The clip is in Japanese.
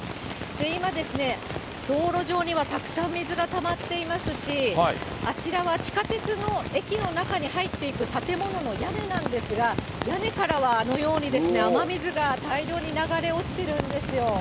今ですね、道路上にはたくさん水がたまっていますし、あちらは地下鉄の駅の中に入っていく建物の屋根なんですが、屋根からはあのようにですね、雨水が大量に流れ落ちてるんですよ。